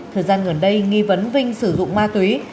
thời gian gần đây nghi vấn vinh sử dụng ma túy